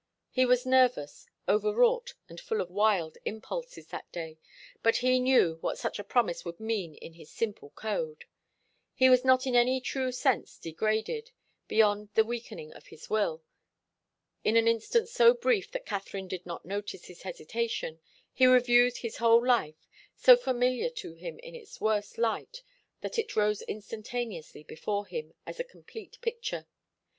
He was nervous, overwrought and full of wild impulses that day, but he knew what such a promise would mean in his simple code. He was not in any true sense degraded, beyond the weakening of his will. In an instant so brief that Katharine did not notice his hesitation he reviewed his whole life, so familiar to him in its worse light that it rose instantaneously before him as a complete picture.